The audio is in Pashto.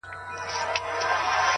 وړتیا له تمرین سره غوړیږي؛